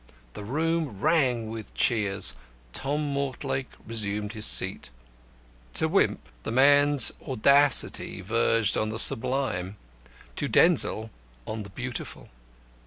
The room rang with cheers. Tom Mortlake resumed his seat. To Wimp the man's audacity verged on the Sublime; to Denzil on the Beautiful.